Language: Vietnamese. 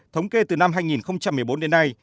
thống kê từ năm hai nghìn một mươi bốn đến nay